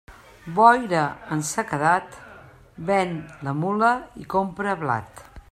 Boira en sequedat, ven la mula i compra blat.